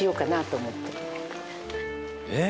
「えっ？